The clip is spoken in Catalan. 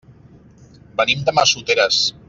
Venim de Massoteres.